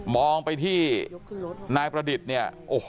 เมื่อ